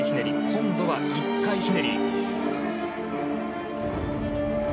今度は１回ひねり。